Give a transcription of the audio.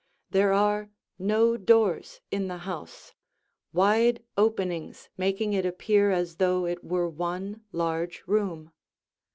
There are no doors in the house, wide openings making it appear as though it were one large room.